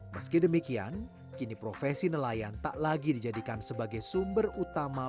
meski demikian kini profesi nelayan tak lagi dijadikan sebagai sumber utama